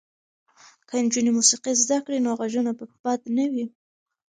که نجونې موسیقي زده کړي نو غږونه به بد نه وي.